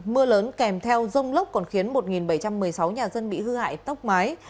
mưa lớn kèm theo rông lốc còn khiến một bảy trăm một mươi sáu nhà dân bị hư hại tốc mái